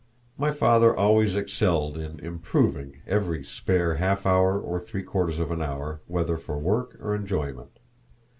My father always excelled in improving every spare half hour or three quarters of an hour, whether for work or enjoyment.